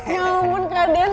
ya ampun kak den